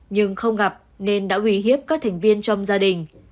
nhưng không gặp nên đã uy hiếp các thành viên trong gia đình